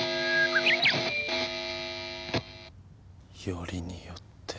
よりによって。